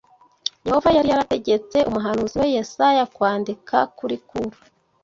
Yehova yari yarategetse umuhanuzi we Yesaya kwandika kuri Kuro